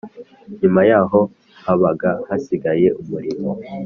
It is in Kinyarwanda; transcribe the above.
Nyuma yaho habaga hasigaye umurimo